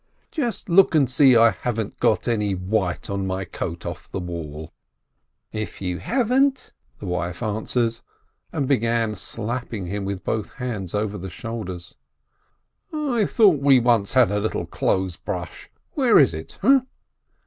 "Just look and see if I haven't got any white on my coat off the wall !" THE CHARITABLE LOAN 391 "If you haven't ?" the wife answered, and began slap ping him with both hands over the shoulders. "I thought we once had a little clothes brush. Where is it?